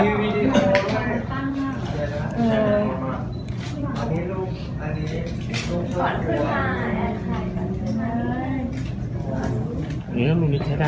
อันนี้ก็มองดูนะคะ